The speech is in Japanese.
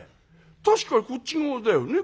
確かこっち側だよね？